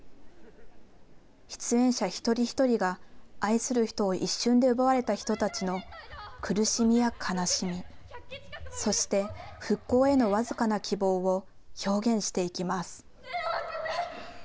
出演者一人一人が、愛する人を一瞬で奪われた人たちの苦しみや悲しみ、そして復興への僅かな希望を表現していきます。